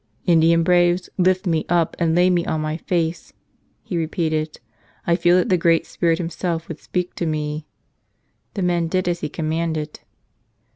"Indian braves, lift me up and lay me on my face," he repeated. "I feel that the Great Spirit Himself would speak to me." The men did as he commanded.